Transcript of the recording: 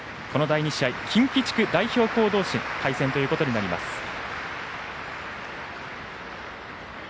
この第２試合近畿地区代表校どうしの対戦ということになります。